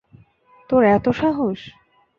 তোর এতো সাহস!